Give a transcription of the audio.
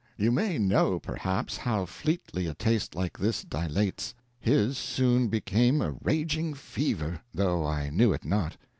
You may know, perhaps, how fleetly a taste like this dilates. His soon became a raging fever, though I knew it not.